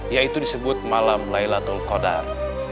yaitu disebut malam laylatul qadar